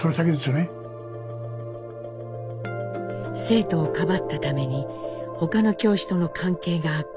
生徒をかばったために他の教師との関係が悪化。